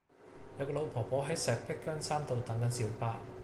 有個老婆婆喺石壁羌山道等緊小巴